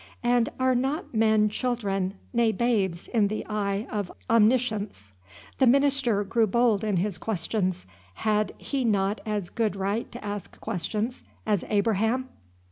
And are not men children, nay, babes, in the eye of Omniscience? The minister grew bold in his questions. Had not he as good right to ask questions as Abraham?